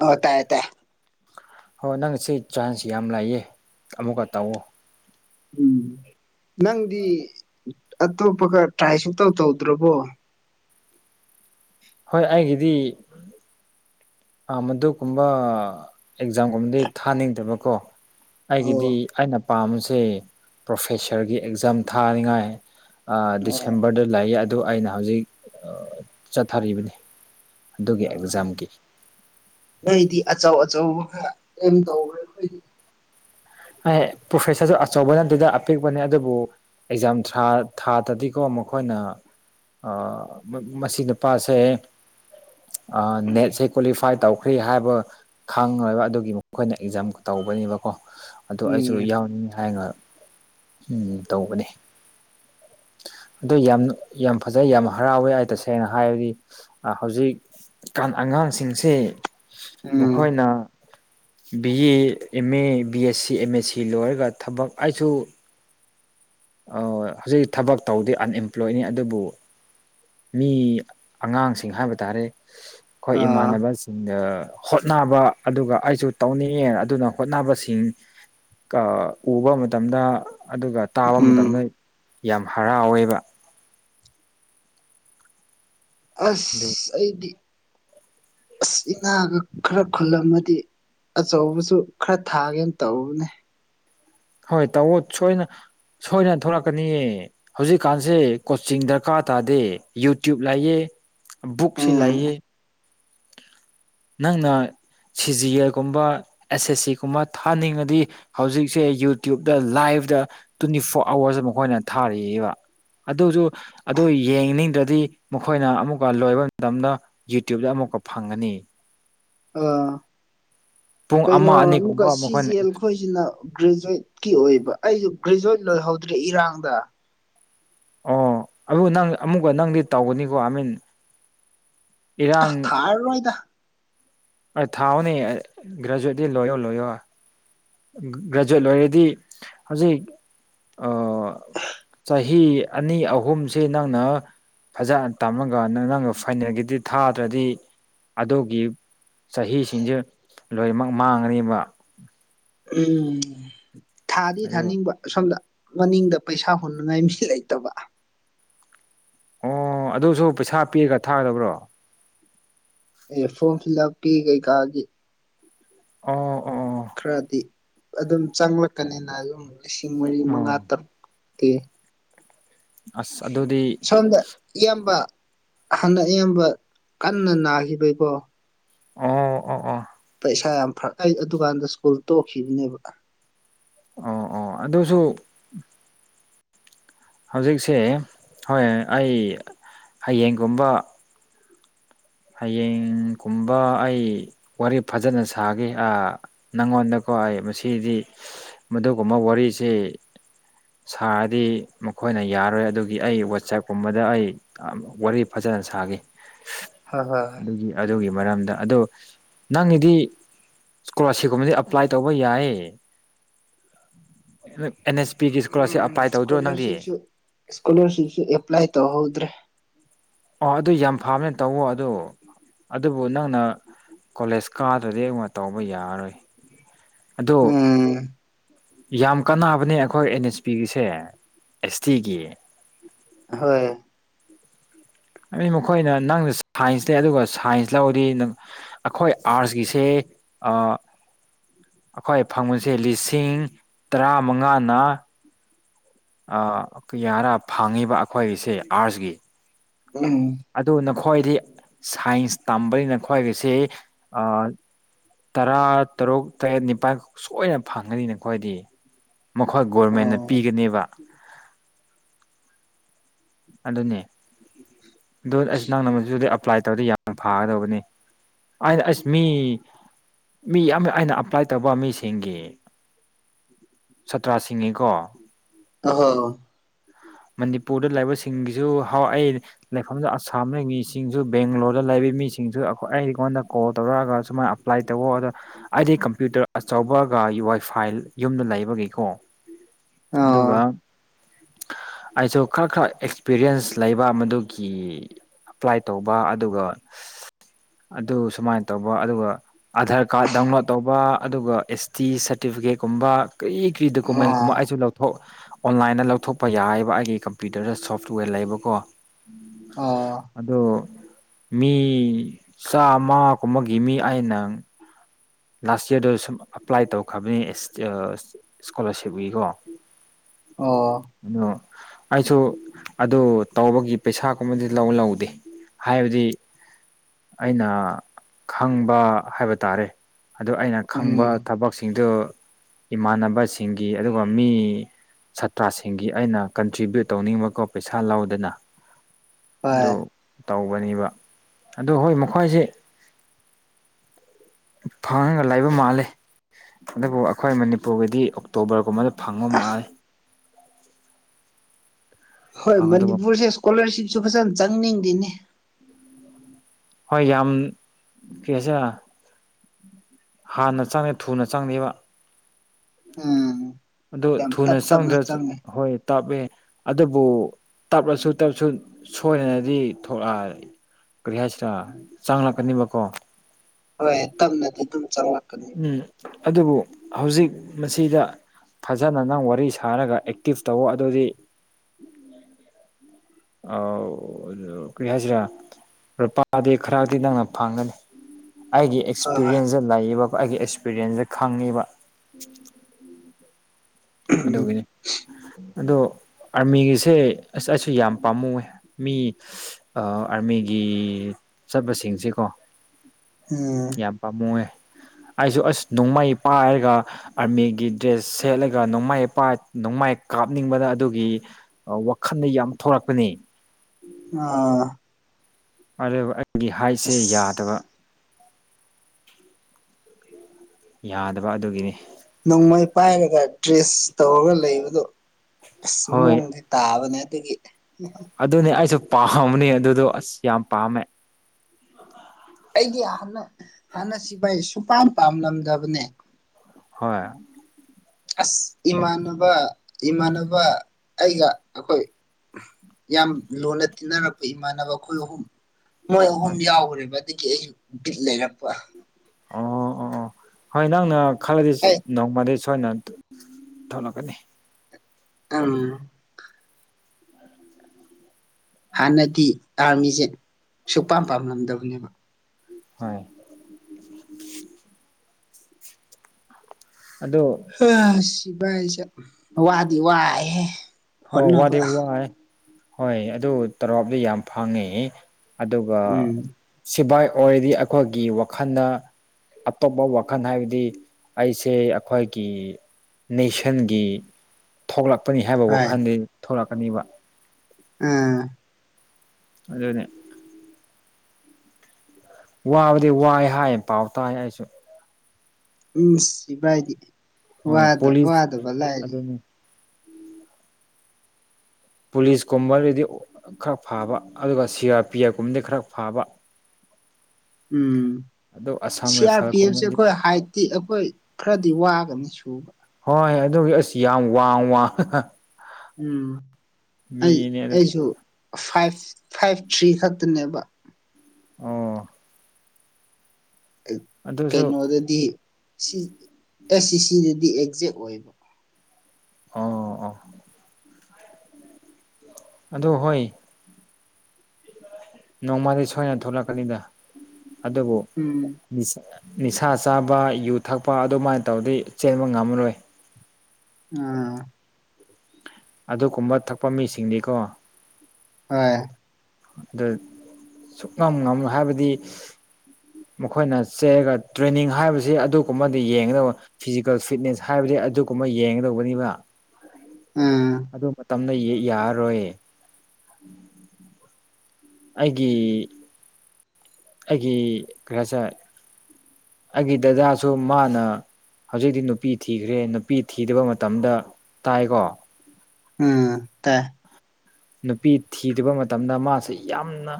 ꯑꯣ ꯇꯥꯏꯌꯦ ꯇꯥꯏ ꯍꯣ ꯅꯪ ꯁꯤ ꯆꯥꯟꯁ ꯌꯥꯝ ꯂꯥꯛꯌꯦ ꯑꯃꯨꯛꯀ ꯇꯧꯑꯣ ꯎꯝ ꯅꯪꯗꯤ ꯑꯇꯣꯞꯄꯒ ꯇ꯭ꯔꯥꯏ ꯁꯇꯧ ꯇꯧꯗ꯭ꯔꯕꯣ ꯍꯣꯏ ꯑꯩꯒꯤꯗꯤ ꯑꯥ ꯃꯗꯨꯒꯨꯝꯕ ꯑꯦꯛꯖꯥꯝꯒꯨꯝꯕꯗꯤ ꯊꯥꯅꯤꯡꯗꯕꯀꯣ ꯑꯣ ꯑꯩꯒꯤꯗꯤ ꯑꯩꯅ ꯄꯥꯝꯕꯁꯦ ꯄ꯭ꯔꯣꯐꯦꯁꯔꯒꯤ ꯑꯦꯛꯖꯥꯝ ꯊꯥꯅꯤꯡꯉꯥꯏ ꯑ ꯗꯤꯁꯕꯔ ꯂꯥꯛꯌꯦ ꯑꯗꯨ ꯑꯩꯅ ꯍꯧꯖꯤꯛ ꯆꯠꯊꯔꯤꯕꯅꯤ ꯑꯗꯨꯒꯤ ꯑꯥ ꯑꯦꯛꯖꯥꯝꯒꯤ ꯅꯣꯏꯗꯤ ꯑꯆꯧ ꯑꯆꯧꯕꯒ [unintelligible] ꯑꯦ ꯄ꯭ꯔꯣꯐꯦꯁꯔꯁꯨ ꯑꯆꯧꯕꯅ ꯑꯗꯨꯗ ꯑꯄꯤꯛꯄꯅꯦ ꯑꯗꯨꯕꯨ ꯑꯦꯛꯖꯥꯝ ꯊ꯭ꯔꯥ ꯊꯥꯗꯗꯤꯀꯣ ꯃꯈꯣꯏꯅ ꯑꯥ ꯃꯁꯤ ꯅꯨꯄꯥꯁꯦ ꯑꯥ ꯅꯦꯠꯁꯦ ꯀ꯭ꯋꯥꯂꯤꯐꯥꯏ ꯇꯧꯈ꯭ꯔꯦ ꯍꯥꯏꯕ [unintelligible] ꯑꯗꯨꯒꯤ ꯃꯈꯈꯣꯏꯅ ꯑꯦꯛꯖꯥꯝ ꯇꯧꯕꯅꯦꯕꯀꯣ ꯑꯗꯨ ꯑꯩꯁꯨ ꯎꯝ ꯌꯥꯎꯅꯤꯡꯉꯤ ꯍꯥꯏꯅ ꯇꯧꯕꯅꯤ ꯑꯗꯨ ꯌꯥꯝ ꯌꯥꯝ ꯐꯖꯩ ꯌꯥꯝ ꯍꯔꯥꯎꯋꯦ ꯑꯩ ꯇꯁꯦꯡꯅ ꯍꯥꯏꯔꯗꯤ ꯍꯧꯖꯤꯛ ꯑꯉꯥꯡꯁꯤꯡꯁꯤ ꯎꯝ ꯃꯈꯣꯏꯅ B A M A B S C C M S C ꯂꯣꯏꯔꯒ ꯊꯕꯛ ꯑꯩꯁꯨ ꯍꯧꯖꯤꯛ ꯊꯕꯛ ꯇꯧꯗꯦ ꯑꯟꯑꯦꯝꯄ꯭ꯂꯣꯏꯅꯤ ꯑꯗꯨꯕꯨ ꯃꯤ ꯑꯉꯥꯡꯁꯤꯡ ꯍꯥꯏꯕ ꯇꯥꯔꯦ ꯑꯩꯈꯣꯏ ꯑꯥ ꯏꯃꯥꯟꯅꯕꯁꯤꯡꯗ ꯍꯣꯠꯅꯕ ꯑꯗꯨꯒ ꯑꯩꯁꯨ ꯇꯧꯅꯤꯡꯉꯦ ꯑꯗꯨꯅ ꯍꯣꯠꯅꯕꯁꯤꯡ ꯀꯥ ꯎꯕ ꯃꯇꯝꯗ ꯑꯗꯨꯒ ꯇꯥꯕ ꯎꯝ ꯃꯇꯝꯗ ꯌꯥꯝ ꯍꯔꯥꯎꯋꯦꯕ ꯑꯗꯨ ꯑꯁ ꯑꯩꯗꯤ ꯑꯁ ꯏꯅꯥꯒ ꯈꯔ ꯈꯨꯜꯂꯝꯃꯗꯤ ꯑꯆꯧꯕꯁꯨ ꯈꯔ ꯊꯥꯒꯦꯅ ꯇꯧꯕꯅꯦ ꯍꯣꯏ ꯇꯧꯑꯣ ꯁꯣꯏꯅ ꯁꯣꯏꯅ ꯊꯣꯛꯂꯛꯀꯅꯤꯌꯦ ꯍꯧꯖꯤꯛꯀꯥꯟꯁꯦ ꯀꯣꯆꯤꯡ ꯗꯔꯀꯥꯔ ꯇꯥꯗꯦ ꯌꯨꯇ꯭ꯌꯨꯕ ꯂꯌꯦ ꯕꯨꯛꯁꯤ ꯎꯝ ꯂꯩꯌꯦ ꯅꯪꯅ ꯁꯤ ꯖꯤ ꯑꯦꯒꯨꯝꯕ ꯑꯦꯁ ꯑꯦꯁ ꯁꯤꯒꯨꯝꯕ ꯊꯥꯅꯤꯡꯉꯗꯤ ꯍꯧꯖꯤꯛꯁꯦ ꯌꯨꯠ ꯌꯨꯇ꯭ꯌꯨꯕꯇ ꯂꯥꯏꯚꯇ ꯇ꯭ꯋꯦꯟꯇꯤ ꯐꯣꯔ ꯑꯥꯋꯥꯔꯁ ꯃꯈꯣꯏꯅ ꯊꯥꯔꯤꯕ ꯑꯗꯨꯁꯨ ꯑꯗꯨ ꯌꯦꯡꯅꯤꯡꯗ꯭ꯔꯗꯤ ꯃꯈꯣꯏꯅ ꯑꯃꯨꯛꯀ ꯂꯣꯏꯕ ꯃꯇꯝꯗ ꯌꯨꯇ꯭ꯌꯨꯕꯇ ꯑꯃꯨꯛꯀ ꯐꯪꯒꯅꯤ ꯑꯥ ꯄꯨꯡ ꯀꯩꯅꯣ ꯑꯃ ꯑꯃꯨꯛꯀ ꯑꯅꯤꯒꯨꯝꯕ ꯃꯈꯣꯏꯅ ꯁꯤꯖꯦꯜ ꯈꯣꯏ ꯑꯩ ꯁꯤꯅ ꯒ꯭ꯔꯦꯖꯨꯋꯦꯠꯀꯤ ꯑꯣꯏꯕ ꯑꯩꯁꯨ ꯒ꯭ꯔꯦꯖꯨꯋꯦꯠ ꯂꯣꯏꯍꯧꯗ꯭ꯔꯦ ꯏꯔꯥꯡꯗ ꯑꯣ ꯑꯗꯨꯕꯨ ꯅꯪ ꯑꯃꯨꯛꯀ ꯅꯪꯗꯤ ꯇꯧꯒꯅꯤꯀꯣ ꯑꯥꯏ ꯃꯤꯟ ꯏꯔꯥꯡ ꯇꯥꯔ ꯑꯣꯏꯣꯏꯗ ꯑꯩ ꯊꯥꯎꯅꯦ ꯒ꯭ꯔꯦꯖꯨꯑꯦꯠꯇꯤ ꯂꯣꯏꯌꯣ ꯂꯣꯏꯌꯣ ꯒ꯭ꯔꯦꯖꯨꯋꯌꯦꯠ ꯂꯣꯏꯔꯗꯤ ꯍꯧꯖꯤꯛ ꯆꯍꯤ ꯑꯅꯤ ꯑꯍꯨꯝꯁꯤ ꯅꯪꯅ ꯐꯖꯅ ꯇꯝꯃꯒ ꯅ ꯅꯪꯅ ꯐꯥꯏꯅꯦꯜꯒꯤꯗꯤ ꯊꯥꯗ꯭ꯔꯗꯤ ꯑꯗꯨꯒꯤ ꯆꯍꯤꯁꯤꯡꯁꯦ ꯂꯣꯏꯅꯃꯛ ꯃꯥꯡꯉꯅꯦꯕ ꯎꯝ ꯊꯥꯗꯤ ꯑꯗꯨ ꯊꯥꯅꯤꯡꯕ ꯁꯣꯝꯗ ꯃꯅꯤꯡꯗ ꯄꯩꯁꯥ ꯍꯨꯅꯤꯡꯉꯥꯏ ꯃꯤꯁꯤꯠ ꯂꯩꯇꯕ ꯑꯣ ꯑꯗꯨꯁꯨ ꯄꯩꯁꯥ ꯄꯤꯔꯒ ꯊꯥꯒꯗꯕ꯭ꯔꯣ ꯑꯦ ꯐꯣꯔꯝ ꯐꯤꯜ ꯑꯞꯀꯤ ꯀꯩꯀꯥꯒꯤ ꯑꯣ ꯑꯣ ꯑꯣ ꯈꯔꯗꯤ ꯑꯗꯨꯝ ꯆꯪꯂꯛꯀꯅꯤꯅ ꯑꯗꯨꯝ ꯂꯤꯁꯤꯡ ꯃꯔꯤ ꯑꯣ ꯃꯉꯥ ꯇꯔꯨꯛ ꯀ ꯑꯁ ꯑꯗꯨꯗꯤ ꯁꯗ ꯏꯌꯥꯝꯕ ꯍꯥꯟꯅ ꯑꯌꯥꯝꯕ ꯀꯟꯅ ꯅꯥꯈꯤꯕꯩꯀꯣ ꯑꯣ ꯑꯣ ꯑꯣ ꯄꯩꯁꯥ ꯌꯥꯝ ꯐ ꯑꯩ ꯑꯗꯨꯀꯥꯟꯗ ꯁ꯭ꯀꯨꯜ ꯇꯣꯛꯈꯤꯕꯅꯦꯕ ꯑꯣ ꯑꯣ ꯑꯗꯨꯁꯨ ꯍꯧꯖꯤꯛꯁꯦ ꯍꯣꯏ ꯑꯩ ꯍꯌꯦꯡꯒꯨꯝꯕ ꯍꯌꯦꯡꯒꯨꯝꯕ ꯑꯩ ꯋꯥꯔꯤ ꯐꯖꯅ ꯁꯥꯒꯦ ꯑ ꯅꯪꯉꯣꯟꯗꯀꯣ ꯑꯩ ꯃꯁꯤꯗꯤ ꯃꯗꯨꯒꯨꯝꯕ ꯋꯥꯔꯤꯁꯤ ꯁꯥꯔꯗꯤ ꯃꯈꯣꯏꯅ ꯌꯥꯔꯣꯏ ꯑꯗꯨꯒꯤ ꯑꯩ ꯋꯥꯆꯦꯞꯀꯨꯝꯕꯗ ꯑꯩ ꯋꯥꯔꯤ ꯐꯖꯅ ꯁꯥꯈꯤ ꯍ ꯍ ꯑꯗꯨꯒꯤ ꯃꯔꯝꯗ ꯑꯗꯣ ꯅꯪꯒꯤꯗꯤ ꯏꯁꯀꯣꯂꯥꯔꯁꯤꯞꯀꯨꯝꯕꯕꯁꯤ ꯑꯦꯄ꯭ꯂꯥꯏ ꯇꯧꯕ ꯌꯥꯏ ꯑꯦꯟ ꯑꯦꯁ ꯄꯤꯒꯤ ꯏꯁꯀꯣꯂꯥꯔꯁꯤꯞ ꯑꯄ꯭ꯂꯥꯏ ꯇꯧꯗ꯭ꯔꯣ ꯅꯪꯗꯤ ꯏꯁꯀꯣꯂꯔꯁꯤꯤꯞꯁ ꯑꯦꯞ꯭ꯂꯥꯏ ꯇꯧꯍꯣꯗ꯭ꯔꯦ ꯑꯣ ꯑꯗꯨ ꯌꯥꯝ ꯐꯕꯅꯦ ꯇꯧꯋ ꯑꯗ ꯑꯗꯨꯕꯨ ꯅꯪꯅ ꯀꯣꯂꯦꯖ ꯀꯥꯗ꯭ꯔꯗꯤ ꯑꯩꯉꯣꯟ ꯇꯧꯕ ꯌꯥꯔꯔꯣꯏ ꯑꯗꯣ ꯎꯝ ꯌꯥꯝ ꯀꯥꯟꯅꯕꯅꯦ ꯑꯩꯈꯣꯏ ꯑꯦꯟ ꯑꯦꯁ ꯄꯤꯒꯤꯁꯦ ꯑꯦꯁ ꯇꯤꯒꯤ ꯍꯣꯏ ꯃꯈꯣꯏꯅ ꯅꯪꯁꯨ ꯁꯥꯏꯟꯁ ꯂꯩ ꯑꯗꯨꯒ ꯁꯥꯏꯟꯁ ꯂꯧꯗꯤ ꯑꯩꯈꯣꯏ ꯑꯥꯔꯠꯁꯀꯤꯁꯦ ꯑꯩꯈꯣꯏ ꯐꯪꯕꯁꯦ ꯂꯤꯁꯤꯡ ꯇꯔꯥ ꯃꯉꯥꯅ ꯀꯌꯥꯔ ꯐꯪꯉꯤꯕ ꯑꯩꯈꯣꯏꯁꯦ ꯑꯥꯔꯁꯀꯤ ꯎꯝ ꯑꯗꯨ ꯅꯈ꯭ꯋꯥꯗꯤ ꯁꯥꯏꯟꯁ ꯇꯝꯕꯅꯤꯅꯈ꯭ꯋꯥꯏꯒꯤꯁꯤꯦ ꯇꯔꯥ ꯇꯔꯨꯛ ꯇꯔꯦꯠ ꯅꯤꯄꯥꯜꯈꯛ ꯁꯣꯏꯅ ꯐꯪꯉꯅꯤꯅꯦ ꯈꯣꯏꯗꯤ ꯃꯈꯣꯏ ꯒꯣꯔꯃꯦꯟꯅ ꯑꯣ ꯄꯤꯒꯅꯦꯕ ꯑꯗꯨꯅꯦ ꯑꯗꯨ ꯑꯩꯁ ꯅꯪ ꯅ ꯃ ꯑꯦꯞꯄ꯭ꯂꯥꯏ ꯇꯧꯔꯗꯤ ꯌꯥꯝ ꯐꯒꯗꯧꯕꯅꯤ ꯑ ꯑꯁ ꯃꯤ ꯃꯤ ꯑꯃ ꯑꯩꯅ ꯑꯄ꯭ꯂꯥꯏ ꯇꯧꯕ ꯃꯤꯁꯤꯡꯒꯤ ꯁꯥꯇ꯭ꯔꯥꯁꯤꯡꯒꯤꯀꯣ ꯑꯣ ꯍꯣ ꯃꯅꯤꯄꯨꯔꯗ ꯂꯩꯕꯁꯤꯡꯒꯤꯁꯨ ꯍ ꯑꯩ ꯂꯩꯐꯝꯗ ꯑꯁꯥꯝꯒꯤ ꯃꯤꯁꯤꯡꯁꯨ ꯕꯦꯡꯒ꯭ꯂꯣꯔꯗ ꯂꯩꯕ ꯃꯤꯁꯤꯡꯁꯨ ꯑꯩꯈꯣꯏ ꯑꯩ ꯑꯩꯉꯣꯟꯗ ꯀꯣꯜ ꯇꯧꯔꯛꯑꯒ ꯁꯨꯃꯥꯏꯅ ꯄ꯭ꯂꯥꯏ ꯇꯧꯋꯣ ꯑꯗꯣ ꯑꯩꯗꯤ ꯀꯝꯄ꯭ꯌꯨꯇꯔ ꯑꯆꯧꯕꯒ ꯋꯥꯏ ꯐꯥꯏꯜ ꯌꯨꯝꯗ ꯂꯩꯕꯒꯦꯀꯣ ꯑꯣ ꯑꯗꯨꯒ ꯑꯩꯁꯨ ꯈꯔ ꯈꯔ ꯑꯦꯛꯁꯄꯤꯔꯤꯌꯦꯟꯁ ꯂꯩꯕ ꯃꯗꯨꯒꯤ ꯑꯦꯞꯄ꯭ꯂꯥꯏ ꯇꯧꯕ ꯑꯗꯨꯒ ꯑꯗꯨ ꯁꯨꯃꯥꯏꯅ ꯇꯧꯕ ꯑꯗꯨꯒ ꯑꯙꯥꯔ ꯀꯥꯔꯗ ꯗꯥꯎꯟꯂꯣꯗ ꯇꯧꯕ ꯑꯗꯨꯒ ꯑꯦꯁ ꯇꯤ ꯁꯥꯔꯇꯤꯐꯤꯀꯦꯠ ꯀꯨꯝꯕ ꯀꯔꯤ ꯀꯔꯤ ꯗꯣꯀꯨꯃꯦꯟꯁ ꯑꯣ ꯀꯨꯝꯕ ꯑꯩꯁꯨ ꯂꯧꯊꯣꯛ ꯑꯣꯟꯂꯥꯏꯟꯗ ꯂꯧꯊꯣꯛꯄ ꯌꯥꯏꯑꯕ ꯑꯩꯒꯤ ꯀꯝꯄ꯭ꯌꯨꯇꯔꯗ ꯁꯣꯞ ꯋꯦꯔ ꯂꯩꯕꯀꯣ ꯑꯣ ꯑꯗꯣ ꯃꯤ ꯆꯥꯃꯒꯨꯝꯕꯒꯤ ꯃꯤ ꯑꯩꯅꯪ ꯂꯥꯁ ꯌꯔꯗ ꯁꯨꯝ ꯑꯦꯄ꯭ꯂꯥꯏ ꯇꯧꯛꯈ꯭ꯔꯕꯅꯤ ꯏꯁꯀꯣꯂꯥꯔꯁꯤꯞꯀꯤꯀꯣ ꯑꯣ ꯑꯩꯅ ꯑꯩꯁꯨ ꯑꯗꯨ ꯇꯧꯕꯒꯤ ꯄꯩꯁꯥꯒꯨꯝꯕꯗꯤ ꯂꯧ ꯂꯧꯗꯦ ꯍꯥꯏꯕꯗꯤ ꯑꯩꯅ ꯈꯪꯕ ꯍꯥꯏꯕ ꯇꯥꯔꯦ ꯑꯗꯨ ꯑꯩꯅ ꯈꯪꯕ ꯎꯝ ꯊꯕꯛꯁꯤꯡꯗꯨ ꯏꯃꯥꯟꯅꯕꯁꯤꯡꯒꯤ ꯑꯗꯨꯒ ꯃꯤ ꯁꯥꯇ꯭ꯔꯥꯁꯤꯡꯒꯤ ꯑꯩꯅ ꯀꯟꯇ꯭ꯔꯤꯕ꯭ꯌꯨꯠ ꯇꯧꯅꯤꯡꯕꯀꯣ ꯄꯩꯁꯥ ꯂꯧꯗꯅ ꯑꯗꯨ ꯍꯣꯏ ꯇꯧꯕꯅꯦꯕ ꯑꯗꯨ ꯍꯣꯏ ꯃꯈꯣꯏꯁꯦ ꯐꯪꯉꯒ ꯂ ꯂꯩꯕ ꯃꯥꯜꯂꯦ ꯑꯗꯨꯕꯨ ꯑꯩꯈꯣꯏ ꯃꯅꯤꯄꯨꯔꯒꯤꯗꯤ ꯑꯣꯛꯇꯣꯕꯔꯒꯨꯝꯕꯗ ꯐꯪꯕ ꯃꯥꯥꯏ ꯍꯣꯏ ꯐꯪꯒꯗꯕ ꯃꯅꯤꯄꯨꯔꯁꯦ ꯏꯁꯀꯣꯂꯥꯔꯁꯤꯞꯁꯨ ꯐꯖꯅ ꯆꯪꯅꯤꯡꯗꯅꯤ ꯍꯣꯏ ꯌꯥꯝ ꯀꯦꯁꯥ ꯍꯥꯟꯅ ꯆꯥꯡꯅꯦ ꯊꯨꯅ ꯆꯪꯅꯦꯕ ꯎꯝ ꯑꯗꯣ ꯌꯥꯝ ꯊꯨꯅ ꯇꯞ ꯇꯞꯅ ꯆꯪꯗ꯭ꯔꯁꯨ ꯆꯪꯉꯦ ꯍꯣꯏ ꯇꯞꯏ ꯑꯗꯨꯕꯨ ꯇꯞꯂꯁꯨ ꯇꯞꯁꯨ ꯁꯣꯏꯗꯅꯗꯤ ꯊꯣꯛꯂꯛꯑ ꯀꯔꯤ ꯍꯥꯏꯁꯤꯔ ꯆꯥꯡ ꯂꯥꯛꯀꯅꯤꯕꯀꯣ ꯍꯣꯏ ꯇꯞꯅꯗꯤ ꯑꯗꯨꯝ ꯆꯪꯪꯂꯛꯀꯅꯤ ꯎ ꯑꯗꯨꯕꯨ ꯍꯧꯖꯤꯛ ꯃꯁꯤꯗ ꯐꯖꯅ ꯅꯪ ꯋꯥꯔꯤ ꯁꯥꯔꯒ ꯑꯦꯛꯇꯤꯞ ꯇꯧꯋ ꯑꯗꯨꯗꯤ ꯑꯧ ꯑꯗꯨ ꯀꯔꯤ ꯍꯥꯏꯁꯤꯔꯥ ꯄꯥꯗꯤ ꯈꯔꯗꯤ ꯅꯪꯅ ꯐꯪꯒꯅꯤ ꯑꯩꯒꯤ ꯍꯣꯏ ꯍꯣꯏ ꯑꯦꯛꯁꯄꯤꯔꯦꯟꯁꯗ ꯂꯩꯕ ꯑꯩꯒꯤ ꯑꯦꯛꯁꯄꯤꯔꯦꯟꯁꯇ ꯈꯪꯉꯤꯕ ꯎꯝ ꯎꯝ ꯑꯗꯒꯅꯦ ꯑꯗꯣ ꯑꯥꯔꯃꯤꯒꯤꯁꯦ ꯑꯁ ꯑꯩꯁꯨ ꯌꯥꯝ ꯄꯥꯝꯃꯨꯋꯦ ꯃꯤ ꯑꯥꯔꯃꯤꯒꯤ ꯆꯠꯄꯁꯤꯡꯁꯦꯀꯣ ꯎꯝ ꯌꯥꯝ ꯄꯥꯝꯃꯨꯑꯦ ꯑꯩꯁꯨ ꯑꯁ ꯅꯣꯡꯃꯩ ꯄꯥꯏꯔꯒ ꯑꯥꯔꯃꯤꯒꯤ ꯗ꯭ꯔꯦꯁ ꯁꯦꯠꯂꯒꯦ ꯑꯗꯨꯒ ꯅꯣꯡꯃꯥꯏꯄ ꯅꯣꯡꯃꯥꯏ ꯀꯥꯞꯅꯤꯡꯕꯗ ꯑꯗꯨꯒꯤ ꯋꯥꯈꯜꯗ ꯌꯥꯝ ꯊꯣꯛꯂꯛꯄꯅꯤ ꯑꯥ ꯑꯗꯨꯕꯨ ꯑꯩꯒꯤ ꯍꯥꯏꯠꯁꯦ ꯑꯁ ꯌꯥꯗꯕ ꯌꯥꯗꯕ ꯑꯗꯨꯒꯤꯅꯤ ꯅꯣꯡꯃꯩ ꯄꯥꯏꯔꯒ ꯗ꯭ꯔꯦꯁ ꯇꯧꯔꯒ ꯂꯩꯕꯗꯣ ꯑꯁ ꯍꯣꯏ ꯃꯑꯣꯗꯤ ꯇꯥꯕꯅꯦ ꯑꯗꯨꯒꯤ ꯑꯗꯨꯅꯤ ꯑꯩꯁꯨ ꯄꯥꯝꯕꯅꯤ ꯑꯗꯨꯗꯣ ꯑꯁ ꯌꯥꯝ ꯄꯥꯝꯃꯦ ꯑꯩꯒꯤ ꯍꯅ ꯍꯥꯟꯅꯁꯤꯚ ꯑꯩ ꯁꯨꯄꯥꯟ ꯄꯥꯝꯂꯝꯗꯕꯅꯦ ꯍꯣꯏ ꯑꯁ ꯏꯃꯥꯟꯅꯕ ꯏꯃꯥꯟꯅꯕ ꯑꯩꯒ ꯑꯩꯈꯣꯏ ꯌꯥꯝ ꯂꯨꯅ ꯇꯤꯟꯅꯔꯛꯄ ꯏꯃꯥꯟꯅꯕ ꯑꯩꯈꯣꯏ ꯑꯍꯨꯝ ꯃꯣꯏ ꯑꯍꯨꯝ ꯍꯣꯏ ꯌꯥꯎꯈ꯭ꯔꯦꯕ ꯑꯗꯒꯤ ꯑꯩ ꯕꯤꯠ ꯂꯩꯔꯛꯄ ꯑꯣ ꯑꯣ ꯑꯣ ꯍꯣꯏ ꯅꯪꯅ ꯈꯜꯂꯗꯤ ꯑꯩ ꯅꯣꯡꯃꯗꯤ ꯁꯣꯏꯅ ꯊꯣꯛꯂꯛꯀꯅꯤ ꯑꯪ ꯍꯥꯟꯅꯗꯤ ꯑꯥꯔꯃꯤꯁꯦ ꯁꯨꯛꯄꯝ ꯄꯥꯝꯂꯝꯗꯕꯅꯦꯕ ꯍꯣꯏ ꯑꯗꯣ ꯑ ꯁꯤ ꯚꯥꯏꯁꯦ ꯋꯥꯗꯤ ꯋꯥꯏꯍꯦ ꯍ ꯍꯣꯠꯅꯕ ꯋꯥꯗꯤ ꯋꯥꯏ ꯍꯣꯏ ꯑꯗꯨ ꯇꯔꯣꯞꯗꯤ ꯌꯥꯝ ꯐꯪꯉꯦ ꯑꯗꯨꯒ ꯎꯝ ꯁꯤꯕꯥꯏ ꯑꯣꯏꯔꯗꯤ ꯑꯩꯈꯣꯏꯒꯤ ꯋꯥꯈꯜꯗ ꯑꯇꯣꯞꯄ ꯋꯥꯈꯜ ꯍꯥꯏꯕꯗꯤ ꯑꯩꯁꯦ ꯑꯩꯈꯣꯏꯒꯤ ꯅꯦꯁꯟꯒꯤ ꯊꯣꯛꯂꯛꯄꯅꯤ ꯍꯥꯏꯕ ꯍꯣꯏ ꯋꯥꯈꯜꯗꯤ ꯊꯣꯛꯂꯛꯀꯅꯤꯕ ꯎꯝ ꯑꯗꯨꯅꯦ ꯋꯥꯕꯗꯤ ꯋꯥꯏ ꯍꯥꯏꯌꯦ ꯄꯥꯎ ꯇꯥꯏ ꯑꯩꯁꯨ ꯎꯝ ꯍꯣꯏ [unintelligible] ꯄꯨꯂꯤꯁ ꯋꯥꯗꯕ ꯂꯥꯢꯔꯤ ꯑꯗꯨꯅꯤ ꯄꯨꯂꯤꯁꯀꯨꯝꯕꯗꯨꯗꯤ ꯈꯔ ꯐꯥꯕ ꯑꯗꯨꯒ ꯁꯤ ꯑꯥꯔ ꯄꯤ ꯑꯦꯐꯒꯨꯝꯕꯗꯤ ꯈꯔ ꯐꯥꯕ ꯎꯝ ꯑꯗꯨ ꯑꯁꯥꯝ ꯁꯤ ꯑꯥꯔ ꯄꯤ ꯑꯦꯐꯁꯦ ꯔꯥꯏꯐꯜꯒꯨꯝꯕꯗꯤ ꯑꯩꯈꯣꯏ ꯍꯥꯏꯠ ꯇꯤ ꯑꯩꯈꯣꯏ ꯈꯔꯗꯤ ꯋꯥꯒꯅꯤ ꯁꯨꯕ ꯍꯣꯏ ꯑꯗꯨꯒꯤ ꯑꯁ ꯌꯥꯝ ꯋꯥꯡ ꯋꯥꯡ ꯎꯝ ꯑꯩ ꯃꯤꯅꯦ ꯑꯗꯨ ꯑꯩꯁꯨ ꯐꯥꯏꯚ ꯐꯥꯏꯚ ꯊ꯭ꯔꯤ ꯈꯛꯇꯅꯦꯕ ꯑꯣꯥ ꯑꯗꯨꯁꯨ ꯀꯩꯅꯣꯗꯗꯤ ꯁꯤ ꯑꯦꯁ ꯁꯤ ꯁꯤꯗꯗꯤ ꯑꯦꯛꯖꯦꯛ ꯑꯣꯏꯕ ꯑ ꯑ ꯑꯗꯨ ꯍꯣꯏ ꯅꯣꯡꯃꯗꯤ ꯁꯣꯏꯅ ꯊꯣꯛꯂꯛꯀꯅꯤꯗ ꯑꯗꯨꯕꯨ ꯎꯝ ꯅꯤꯁꯥ ꯆꯥꯕ ꯌꯨ ꯊꯛꯄ ꯑꯗꯨꯃꯥꯏꯅ ꯇꯧꯔꯗꯤ ꯆꯦꯟꯕ ꯉꯝꯃꯔꯣꯏ ꯑꯥ ꯑꯗꯨꯒꯨꯝꯕ ꯊꯛꯄ ꯃꯤꯁꯤꯡꯅꯤꯀꯣ ꯑ ꯑꯗꯨ ꯁꯨ ꯉꯝ ꯉꯝ ꯍꯥꯏꯕꯗꯤ ꯃꯈꯣꯏꯅ ꯆꯦꯂꯒ ꯇ꯭ꯔꯦꯟꯅꯤꯡ ꯍꯥꯏꯕꯁꯤ ꯑꯗꯨꯒꯨꯝꯕꯗꯤ ꯌꯦꯡꯒꯗꯕ ꯐꯤꯖꯤꯀꯦꯜ ꯐꯤꯠꯅꯦꯁ ꯍꯥꯏꯕꯗꯤ ꯑꯗꯨꯒꯨꯝꯕ ꯌꯦꯡꯒꯗꯧꯕꯅꯤꯕ ꯎꯝ ꯑꯗꯨ ꯃꯇꯝꯗ ꯌ ꯌꯥꯔꯔꯣꯏ ꯑꯩꯒꯤ ꯑꯩꯒꯤ ꯀꯀꯁꯦ ꯑꯩꯒꯤ ꯗꯗꯥꯁꯨ ꯃꯥꯅ ꯍꯧꯖꯤꯛꯇꯤ ꯅꯨꯄꯤ ꯊꯤꯈ꯭ꯔꯦ ꯅꯨꯄꯤ ꯊꯤꯗꯕ ꯃꯇꯝꯗ ꯇꯥꯏꯀꯣ ꯎꯝ ꯇ ꯅꯨꯄꯤ ꯊꯤꯗꯕ ꯃꯇꯝꯗ ꯃꯥꯁꯤ ꯌꯥꯝꯅ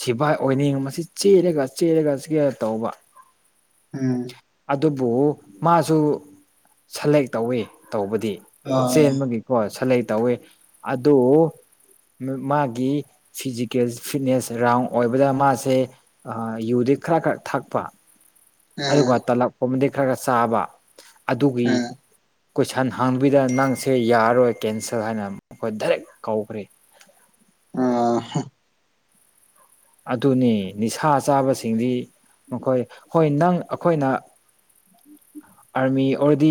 ꯁꯤꯐꯥꯏ ꯑꯣꯏꯅꯤꯡ ꯃꯁꯤ ꯆꯦꯜꯂꯒ ꯆꯦꯜꯂꯒ ꯁꯤꯒ ꯇꯧꯕ ꯎꯝ ꯑꯗꯨꯕꯨ ꯃꯥꯁꯨ ꯁꯦꯂꯦꯛ ꯇꯧꯋꯤ ꯇꯧꯕꯗꯤ ꯑꯣ ꯆꯦꯟꯕꯒꯤꯀꯣ ꯁꯂꯩ ꯇꯧꯋꯤ ꯑꯗꯨ ꯃꯥꯒꯤ ꯐꯤꯖꯤꯀꯦꯜ ꯐꯤꯠꯅꯦꯁ ꯔꯥꯎꯟ ꯑꯣꯏꯕꯗ ꯃꯥꯁꯦ ꯑ ꯌꯨꯗꯤ ꯈꯔ ꯈ ꯊꯛꯄ ꯎꯝ ꯑꯗꯨꯒ ꯇꯥꯂꯛꯄ ꯑꯃꯗꯤ ꯈꯔ ꯈꯔ ꯆꯥꯕ ꯑꯗꯨꯒꯤ ꯎꯝ ꯀꯣꯏꯁꯟ ꯍꯥꯡꯕꯤꯗ ꯅꯪꯁꯦ ꯌꯥꯔꯔꯣꯏ ꯀꯦꯟꯁꯦꯜ ꯍꯥꯏꯅ ꯃꯈꯣꯏ ꯗꯥꯏꯔꯦꯛ ꯀꯧꯈ꯭ꯔꯦ ꯑ ꯑꯗꯨꯅꯦ ꯅꯤꯁꯥ ꯆꯥꯕꯁꯤꯡꯗꯤ ꯃꯈꯣꯏ ꯍꯣꯏ ꯅꯪ ꯑꯩꯈꯣꯏꯅ ꯑꯥꯔꯃꯤ ꯑꯣꯏꯔꯗꯤ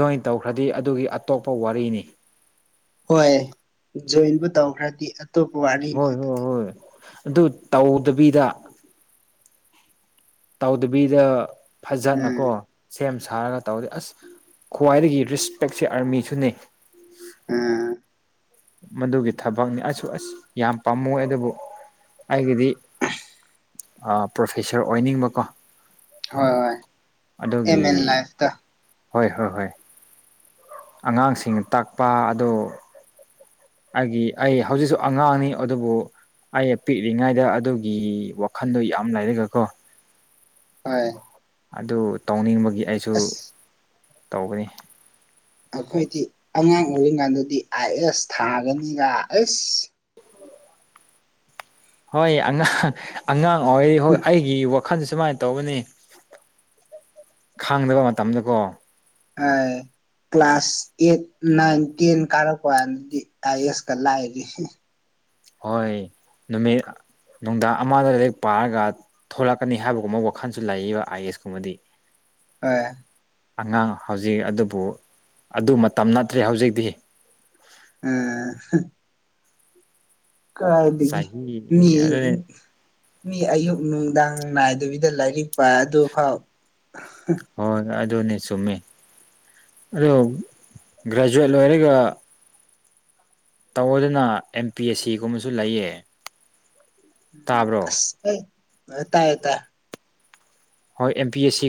ꯖꯣꯏꯟ ꯇꯧꯈ꯭ꯔꯗꯤ ꯑꯗꯨꯒꯤ ꯑꯇꯣꯞꯄ ꯋꯥꯔꯤꯅꯤ ꯍꯣꯏ ꯖꯣꯏꯟꯕꯨ ꯇꯧꯈ꯭ꯔꯗꯤ ꯑꯇꯣꯞꯄ ꯋꯥꯔꯤꯅꯤ ꯍꯣꯏ ꯍꯣꯏ ꯑꯗꯨꯗꯤ ꯍꯣꯏ ꯑꯗꯨ ꯇꯧꯗꯕꯤꯗ ꯇꯧꯗꯕꯤꯗ ꯎꯝ ꯐꯖꯅꯀꯣ ꯁꯦꯝ ꯁꯥꯔꯒ ꯇꯧꯗꯦ ꯑꯁ ꯈ꯭ꯋꯥꯏꯗꯒꯤ ꯔꯤꯁꯄꯦꯛꯁꯦ ꯑꯥꯔꯃꯤꯁꯨꯅꯦ ꯎꯝ ꯃꯗꯨꯒꯤ ꯊꯕꯛꯅꯤ ꯑꯁꯨ ꯑꯁ ꯌꯥꯝ ꯄꯥꯝꯃꯣꯏ ꯑꯗꯨꯕꯨ ꯑꯩꯒꯤꯗꯤ ꯑꯥ ꯄ꯭ꯔꯣꯐꯦꯁꯔ ꯑꯣꯏꯅꯤꯡꯕꯀꯣ ꯍꯣꯏ ꯍꯣꯏ ꯑꯗꯨꯒꯤ ꯑꯦꯝ ꯑꯦꯟ ꯂꯥꯏꯐꯇ ꯍꯣꯏ ꯍꯣꯏ ꯍꯣꯏ ꯑꯉꯥꯡꯁꯤꯡꯅ ꯇꯥꯛꯄ ꯑꯗꯣ ꯑꯩꯒꯤ ꯑꯩ ꯍꯧꯖꯤꯛꯁꯨ ꯑꯉꯥꯡꯅꯤ ꯑꯗꯨꯕꯨ ꯑꯩ ꯄꯤꯛꯂꯤꯉꯩꯗ ꯑꯗꯨꯒꯤ ꯋꯥꯈꯟꯗꯣ ꯌꯥꯝ ꯂꯩꯔꯒ ꯀꯣ ꯍꯥꯏ ꯑꯗꯨ ꯇꯧꯅꯤꯡꯕꯒꯤ ꯑꯩꯁꯨ ꯇꯧꯕꯅꯤ ꯑꯩꯈꯣꯏꯗꯤ ꯑꯉꯥꯡ ꯑꯣꯏꯔꯤꯡꯉꯥꯟꯗꯗꯤ ꯑꯥꯏ ꯑꯦꯁ ꯊꯥꯒꯅꯤꯒ ꯑꯁ ꯍꯣꯏ ꯑꯉꯥꯡ ꯑꯉꯥꯡ ꯑꯣꯏꯔꯤ ꯍꯣꯏ ꯑꯩꯒꯤ ꯋꯥ ꯈꯟꯁꯦ ꯁꯨꯃꯥꯏꯅ ꯇꯧꯕꯅꯤ ꯈꯥꯡꯗꯕ ꯃꯇꯝꯗ ꯀꯣ ꯑꯥꯏ ꯀ꯭ꯂꯥꯁ ꯑꯦꯠ ꯅꯥꯏꯟ ꯇꯦꯟ ꯀꯥꯔꯛꯄ ꯀꯥꯟꯗꯗꯤ ꯑꯥꯏ ꯑꯦꯁꯀ ꯂꯥꯏꯔꯤ ꯍꯣꯏ ꯅꯨꯃꯤꯠ ꯅꯨꯡꯗꯥꯡ ꯑꯃꯗ ꯂꯥꯏꯔꯤꯛ ꯄꯥꯔꯒ ꯊꯣꯛꯂꯛꯀꯅꯤ ꯍꯥꯏꯕꯒꯨꯝꯕ ꯋꯥꯈꯜꯁꯨ ꯂꯩꯌꯦꯕ ꯑꯥꯏ ꯑꯦꯁ ꯀꯨꯝꯕꯗꯤ ꯑꯥ ꯑꯉꯥꯡ ꯍꯧꯖꯤꯛ ꯑꯗꯨꯕꯨ ꯑꯗꯨ ꯃꯇꯝ ꯅꯠꯇ꯭ꯔꯦ ꯍꯧꯖꯤꯛꯇꯤ [unintelligible] ꯀꯥꯏꯗꯒꯤ ꯆꯍꯤ ꯃꯤ ꯑꯗꯨꯅꯤ ꯎꯝ ꯃꯤ ꯑꯌꯨꯛ ꯅꯨꯡꯗꯥꯡ ꯅꯥꯏꯗꯕꯤꯗ ꯂꯥꯏꯔꯤꯛ ꯄꯥ ꯑꯗꯨꯐꯥꯎ ꯍꯣꯏ ꯑꯗꯨꯅꯤ ꯆꯨꯝꯃꯦ ꯑꯗꯣ ꯒ꯭ꯔꯦꯖꯨꯋꯦꯠ ꯂꯣꯏꯔꯒ ꯇꯧꯑꯣꯗꯅ ꯑꯦꯝ ꯄꯤ ꯑꯦꯁ ꯁꯤꯒꯨꯝꯕꯁꯨ ꯂꯩꯌꯦ ꯇꯥꯕ꯭ꯔꯣ ꯑꯁ ꯑꯦ ꯑ ꯇꯥꯏ ꯇꯥꯏ ꯍꯣꯏ ꯑꯦꯝ ꯄꯤ ꯑꯦꯁ ꯁꯤ